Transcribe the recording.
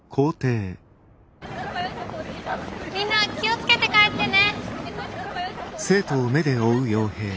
みんな気を付けて帰ってね。